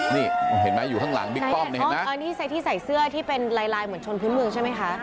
นี่เห็นไหมอยู่ข้างหลังบิ๊กป้อมนี่เห็นไหมที่ใส่เสื้อที่เป็นลายลายเหมือนชนพื้นเมืองใช่ไหมคะ